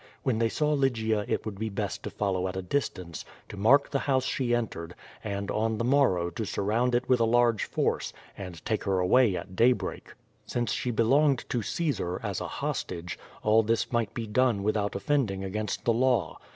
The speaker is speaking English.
When they saw Lygia it would be best to follow at a distance, to mark the house she entered, and on the morrow to surround it with a large force, and take her away at daybreak. Since she be longed to Caesar, as a hostage, all this might be done without offending against the law.